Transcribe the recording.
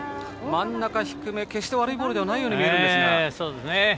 真ん中低め決して悪いボールではないように見えました。